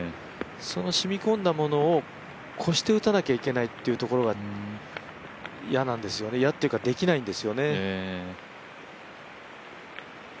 そのしみこんだものを越して打たなきゃいけないっていうのが嫌なんですよね、嫌というかできないんですよね。